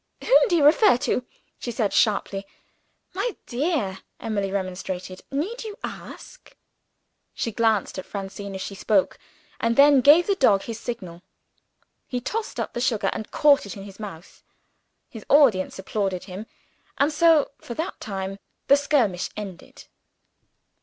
"Whom do you refer to?" she said sharply. "My dear!" Emily remonstrated, "need you ask?" She glanced at Francine as she spoke, and then gave the dog his signal. He tossed up the sugar, and caught it in his mouth. His audience applauded him and so, for that time, the skirmish ended.